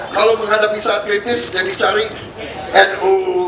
kalau menghadapi saat kritis yang dicari nu